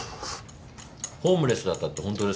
ホームレスだったって本当ですか？